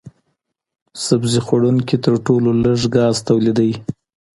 سبزي خوړونکي تر ټولو لږ ګاز تولیدوي.